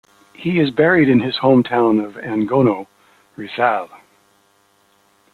He is buried in his hometown of Angono, Rizal.